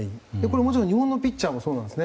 そして日本のピッチャーもそうなんですね。